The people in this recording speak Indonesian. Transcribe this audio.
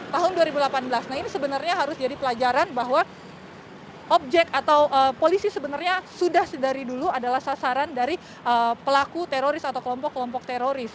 tahun dua ribu delapan belas nah ini sebenarnya harus jadi pelajaran bahwa objek atau polisi sebenarnya sudah dari dulu adalah sasaran dari pelaku teroris atau kelompok kelompok teroris